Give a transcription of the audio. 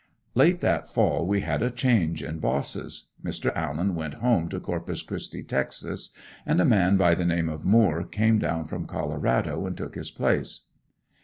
Late that fall we had a change in bosses. Mr. Allen went home to Corpus Christi, Texas, and a man by the name of Moore came down from Colorado and took his place.